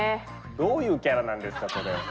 どういうキャラなんですかそれ？